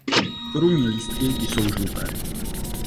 Korunní lístky jsou žluté.